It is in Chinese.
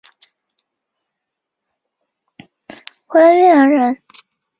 本剧是井川遥首出担当主角的电视剧。